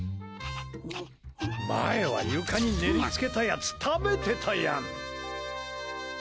前は床に練りつけたやつ食べてたやん！